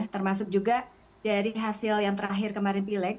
termasuk juga dari hasil yang terakhir kemarin pileg